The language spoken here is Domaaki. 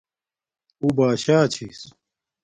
اُو باشاچھس